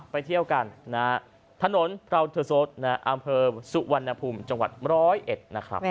ไปเที่ยวกันนะฮะถนนพราวเทอร์โซดอำเภอสุวรรณภูมิจังหวัด๑๐๑นะครับ